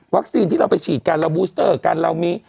ที่เราไปฉีดกันเราบูสเตอร์กันเรามี